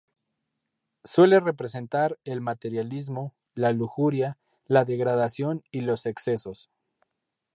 Suele representar el materialismo, la lujuria, la degradación y los excesos.